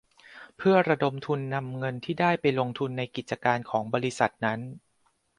เพื่อระดมทุนนำเงินที่ได้ไปลงทุนในกิจการของบริษัทนั้น